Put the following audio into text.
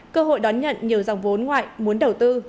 cơ hội đón nhận nhiều dòng vốn ngoại muốn đầu tư